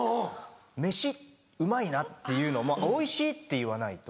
「飯うまいな」っていうのも「おいしい」って言わないと。